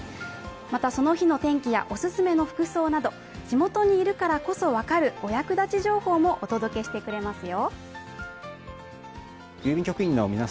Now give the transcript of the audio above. またその日の天気やオススメの服装など地元にいるからこそ分かるお役立ち情報もお届けしてくれますよ。